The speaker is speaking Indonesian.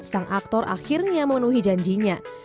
sang aktor akhirnya memenuhi janjinya